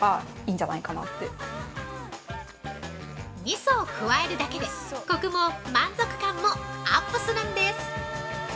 ◆みそを加えるだけで、コクも満足感もアップするんです。